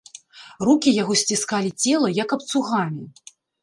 Рукі яго сціскалі цела, як абцугамі.